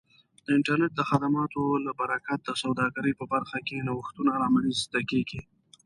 د انټرنیټ د خدماتو له برکت د سوداګرۍ په برخه کې نوښتونه رامنځته کیږي.